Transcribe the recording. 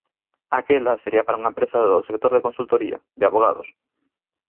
Aquela sería para unha empresa do sector de consultoría, de avogados.